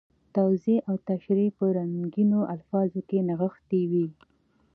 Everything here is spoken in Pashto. توضیح او تشریح په رنګینو الفاظو کې نغښتي وي.